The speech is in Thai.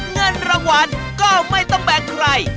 เงินรางวัลก็ไม่ต้องแบ่งใคร